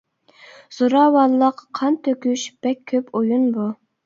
زوراۋانلىق، قان تۆكۈش بەك كۆپ ئويۇن بۇ.